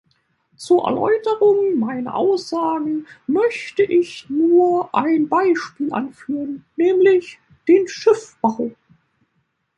Zur Erläuterung meiner Aussagen möchte ich nur ein Beispiel anführen, nämlich den Schiffbau.